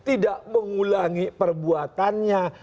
tidak mengulangi perbuatannya